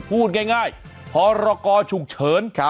พูดง่ายพรกรฉุกเฉิน